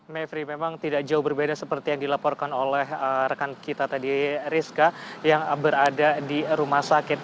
mevri memang tidak jauh berbeda seperti yang dilaporkan oleh rekan kita tadi rizka yang berada di rumah sakit